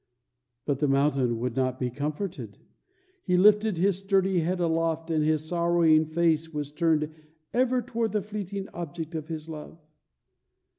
But the mountain would not be comforted; he lifted his sturdy head aloft, and his sorrowing face was turned ever toward the fleeting object of his love.